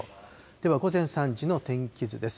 では、午前３時の天気図です。